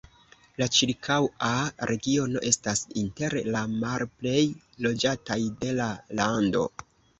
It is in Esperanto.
La ĉirkaŭa regiono estas inter la malplej loĝataj de la lando.